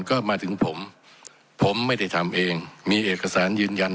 ก็มาถึงผมผมไม่ได้ทำเองมีเอกสารยืนยัน